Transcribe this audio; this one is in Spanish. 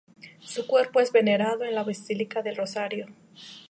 Su cuerpo es venerado en la Basílica del Rosario.